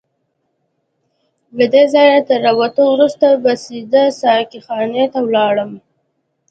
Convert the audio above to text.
له دې ځایه تر راوتو وروسته به سیده ساقي خانې ته ولاړم.